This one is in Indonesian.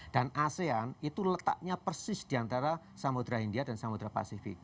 dan asean itu letaknya persis diantara samudera india dan samudera pasifik